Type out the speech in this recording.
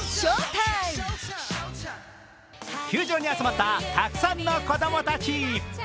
球場に集まったたくさんの子供たち。